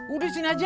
udah sini aja